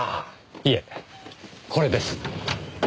いえこれです。